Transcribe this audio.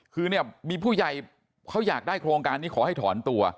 คือเนี่ยมีผู้ใหญ่เขาอยากได้โครงการนี้ขอให้ถอนตัว